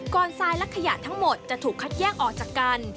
ทรายและขยะทั้งหมดจะถูกคัดแยกออกจากกัน